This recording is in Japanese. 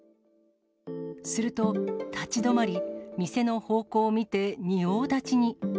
すると、立ち止まり、店の方向を見て仁王立ちに。